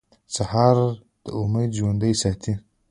سهار د امید ژوندی ساتي.